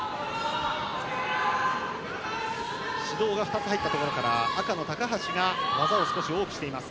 指導が２つ入ったところから赤の高橋が技を少し多くしています。